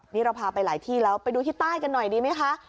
นี่เราพาไปหลายที่แล้วไปดูที่ใต้กันหน่อยดีไหมคะ